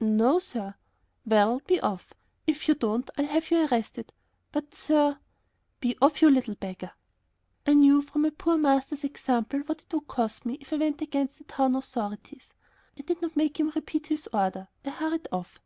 "No, sir." "Well, be off; if you don't I'll have you arrested." "But, sir...." "Be off, you little beggar." I knew from my poor master's example what it would cost me if I went against the town authorities. I did not make him repeat his order; I hurried off.